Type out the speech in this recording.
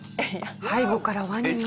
背後からワニが。